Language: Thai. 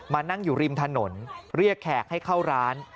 นั่งอยู่ริมถนนเรียกแขกให้เข้าร้าน